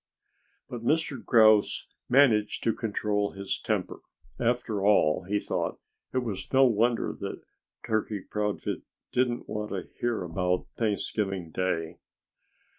But Mr. Grouse managed to control his temper. After all, he thought, it was no wonder that Turkey Proudfoot didn't want to hear about Thanksgiving Day.